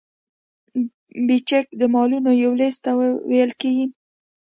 بیجک د مالونو یو لیست ته ویل کیږي.